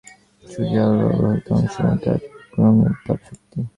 সূর্যের আলোর অবলোহিত অংশ মূলত এক ধরণের তাপ শক্তি।